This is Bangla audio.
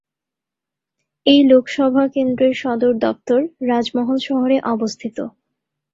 এই লোকসভা কেন্দ্রের সদর দফতর রাজমহল শহরে অবস্থিত।